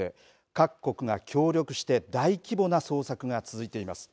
各国が協力して大規模な捜索が続いています。